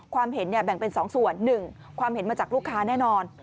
ความเห็นเนี่ยแบ่งเป็นสองส่วนหนึ่งความเห็นมาจากลูกค้าแน่นอน